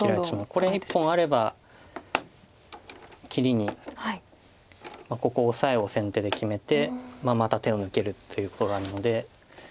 これ１本あれば切りにここオサエを先手で決めてまた手を抜けるということがあるので。